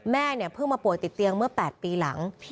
แม่เนี่ยเพิ่งมาป่วยติดเตียงเมื่อ๘ปีหลัง